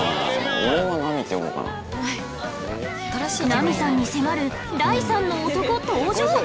ナミさんに迫る第３の男登場！